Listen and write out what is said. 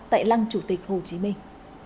tại lăng chủ tịch hồ chí minh